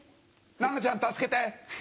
七菜ちゃん助けて。